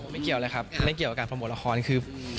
ไม่เกี่ยวเลยครับไม่เกี่ยวกับการโปรโมทละครคือ